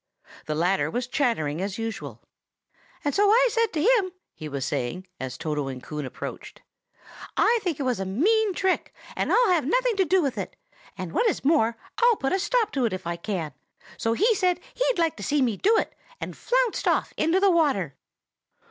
The latter was chattering as usual. "And so I said to him," he was saying as Toto and Coon approached, "'I think it is a mean trick, and I'll have nothing to do with it. And what is more, I'll put a stop to it if I can!' So he said he'd like to see me do it, and flounced off into the water."